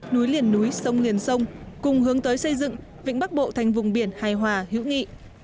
núi liền núi sông liền sông cùng hướng tới xây dựng vĩnh bắc bộ thành vùng biển hài hòa hữu nghị